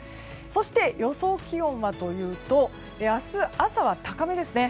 そして、予想気温はというと明日朝は高めですね。